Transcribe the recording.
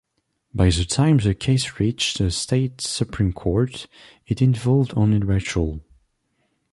By the time the case reached the State Supreme Court, it involved only Rachel.